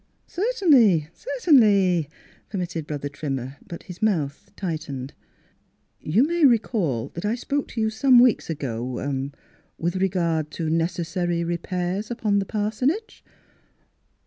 " Certainly, certainly," permitted Brother Trimmer : but his mouth tight ened. " You may recall that I spoke to you Miss Fhilura's Wedding Gown some weeks ago — ah — with regard to necessary repairs upon the parsonage."